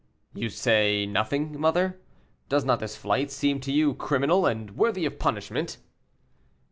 "You say nothing, mother. Does not this flight seem to you criminal, and worthy of punishment?"